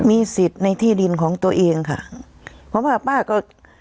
มีสิทธิ์ในที่ดินของตัวเองค่ะเพราะว่าป้าก็